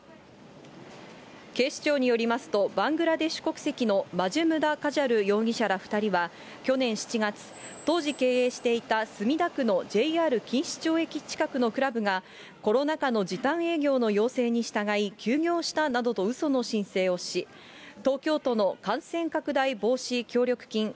警視庁によりますと、バングラデシュ国籍のマジュムダ・カジャル容疑者ら２人は、去年７月、当時経営していた墨田区のＪＲ錦糸町駅近くのクラブが、コロナ禍の時短営業の要請に従い、休業したなどとうその申請をし、東京都の感染拡大防止協力金